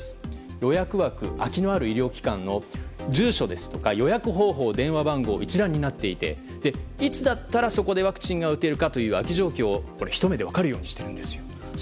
予約枠、空きのある医療機関の住所ですとか電話番号が一覧になっていていつだったらそこでワクチンが打てるかという空き状況をひと目で分かるようにしています。